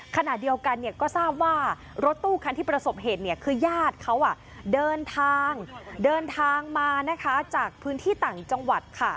ขณะเดียวกันก็ทราบว่ารถตู้คันที่ประสบเหตุคือญาติเขาเดินทางเดินทางมาจากพื้นที่ต่างจังหวัดค่ะ